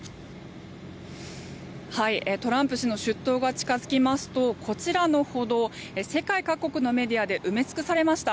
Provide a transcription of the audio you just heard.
トランプ氏の出頭が近付きますとこちらの歩道、世界各国のメディアで埋め尽くされました。